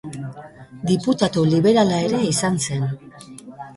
Diputatu liberala ere izan zen.